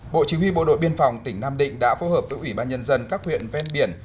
bộ chính huy bộ đội biên phòng tỉnh nam định đã phô hợp với ubnd các huyện ven biển